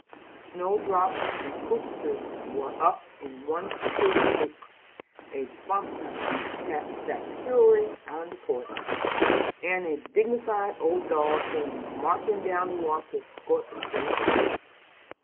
Snow drops and crocuses were up in one secluded nook; a plump maltese cat sat purring in the porch; and a dignified old dog came marching down the walk to escort the stranger in.